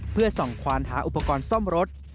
เพื่อส่องควานหาอุปกรณ์ซ่อมรถ